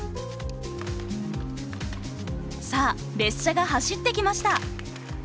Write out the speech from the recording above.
さあ列車が走ってきました。